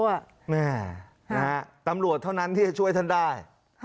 แม่นะฮะตำรวจเท่านั้นที่จะช่วยท่านได้